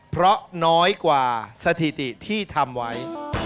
เพราะน้อยกว่าสถิติที่ทำไว้